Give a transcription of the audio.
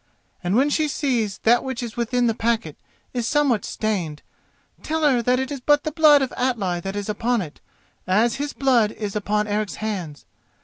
And when she sees that which is within the packet is somewhat stained, tell her that is but the blood of Atli that is upon it, as his blood is upon Eric's hands.